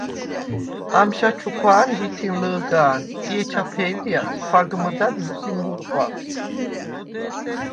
ამშა ჩუქვა̄ნ ვითინ ლჷ̄გა̄ნ ი ეჩა ფე̄დჲას ხვაგმჷდად მუსი მუ̄რყვამს.